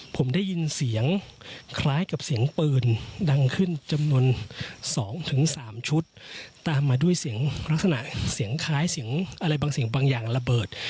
ผมได้ยินเสียงคล้ายกับเสียงปืนดังขึ้นจำนวน๒๓ชุดตามมาด้วยเสียงลักษณะเสียงคล้ายเสียงอะไรบางสิ่งบางอย่างระเบิด